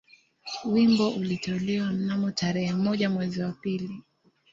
Wimbo ulitolewa mnamo tarehe moja mwezi wa pili